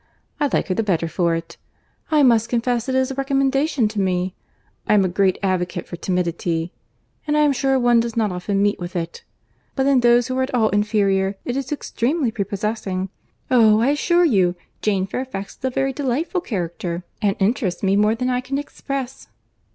I like her the better for it. I must confess it is a recommendation to me. I am a great advocate for timidity—and I am sure one does not often meet with it.—But in those who are at all inferior, it is extremely prepossessing. Oh! I assure you, Jane Fairfax is a very delightful character, and interests me more than I can express."